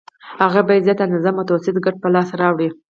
هغه باید زیاته اندازه متوسطه ګټه په لاس راوړي